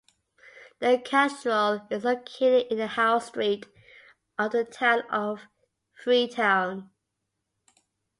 The cathedral is located in the Howe street of the town of Freetown.